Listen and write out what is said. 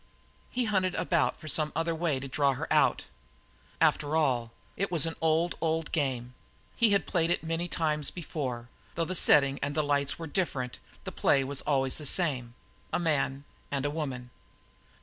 He hunted about for some other way to draw her out. After all, it was an old, old game. He had played it before many a time; though the setting and the lights had been different the play was always the same a man, and a woman.